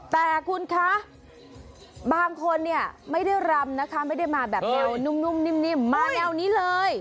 แต่คุณคะบางคนเนี่ยไม่ได้รำนะคะไม่ได้มาแบบแนวนุ่มนิ่มมาแนวนี้เลย